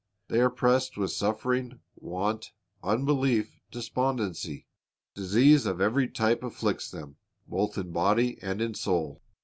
They are pressed with suffering, want, unbelief, despondency. Disease of every type afflicts them, both in body and in soul.